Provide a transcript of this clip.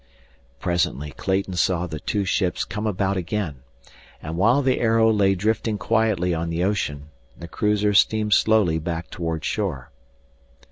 Presently Clayton saw the two ships come about again; and while the Arrow lay drifting quietly on the ocean, the cruiser steamed slowly back toward shore.